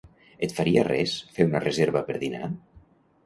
Et faria res fer una reserva per dinar?